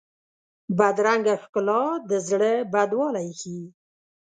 بدرنګه ښکلا د زړه بدوالی ښيي